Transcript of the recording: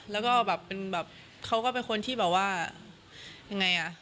แล้วก็แบบเป็นแบบเขาก็เป็นคนที่แบบว่ายังไงอ่ะ